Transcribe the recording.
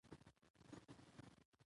رسوب د افغانستان د بشري فرهنګ برخه ده.